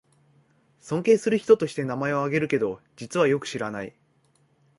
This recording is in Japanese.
尊敬する人として名前をあげるけど、実はよく知らない